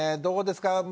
どうですか？